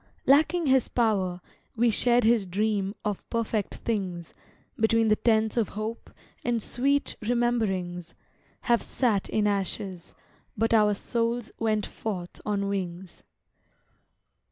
Lacking his power, we shared his dream Of perfect things; Between the tents of hope and sweet Rememberings Have sat in ashes, but our souls Went forth on wings.